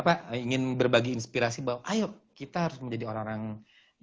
kita ingin berbagi inspirasi bahwa ayucita terjadi orang orang yang membuat karya toneong